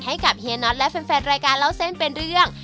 เฮียน็อตและแฟนรายการเล่าเส้นเป็นเรื่อง